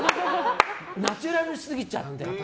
ナチュラルすぎちゃって。